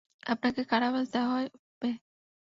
আপনাকে কারাবাস দেওয়া হবে।